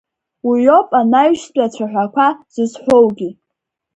Уиоуп анаҩстәи ацәаҳәақәа зызҳәоугьы…